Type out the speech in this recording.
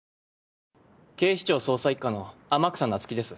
警視庁捜査一課の天草那月です。